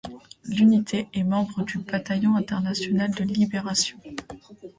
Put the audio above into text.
L'Unité est membre du Bataillon international de libération.